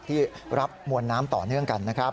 ที่รับมวลน้ำต่อเนื่องกันนะครับ